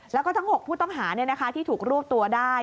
แล้วก็ทั้ง๖ผู้ต้องหาเนี่ยนะคะที่ถูกรูปตัวได้